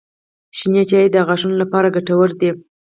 • شین چای د غاښونو لپاره ګټور دی.